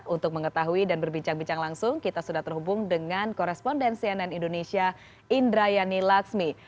untuk mengetahui dan berbincang bincang langsung kita sudah terhubung dengan koresponden cnn indonesia indrayani laksmi